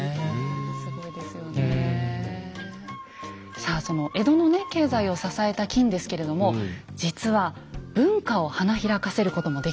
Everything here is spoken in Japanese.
さあその江戸のね経済を支えた金ですけれども実は文化を花開かせることもできていたんですね。